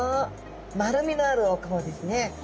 丸みのあるお顔ですね。